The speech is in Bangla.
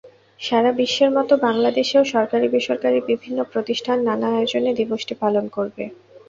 সারা বিশ্বের মতো বাংলাদেশেও সরকারি-বেসরকারি বিভিন্ন প্রতিষ্ঠান নানা আয়োজনে দিবসটি পালন করবে।